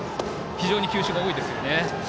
非常に球種が多いですよね。